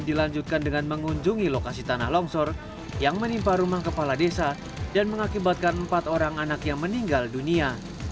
dilanjutkan dengan mengunjungi lokasi tanah longsor yang menimpa rumah kepala desa dan mengakibatkan empat orang anak yang meninggal dunia